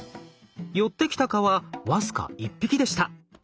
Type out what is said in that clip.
寄ってきた蚊は僅か１匹でした。